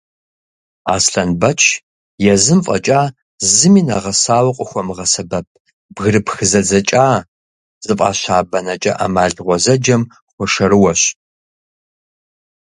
Аслъэнбэч езым фӏэкӏа зыми нэгъэсауэ къыхуэмыгъэсэбэп «бгырыпх зэдзэкӏа» зыфӏаща бэнэкӏэ ӏэмал гъуэзэджэм хуэшэрыуэщ.